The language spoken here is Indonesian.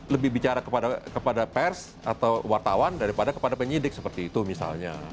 lebih bicara kepada pers atau wartawan daripada kepada penyidik seperti itu misalnya